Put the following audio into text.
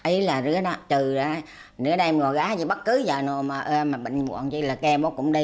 ý là trừ ra nếu đem ngồi gái thì bất cứ giờ mà bệnh nguồn gì là kêu bố cũng đi